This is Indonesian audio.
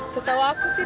setahu aku sih